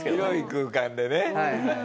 広い空間でね。